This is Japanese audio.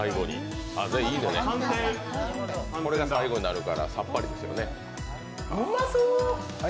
これが最後になるから、さっぱりしてるよね。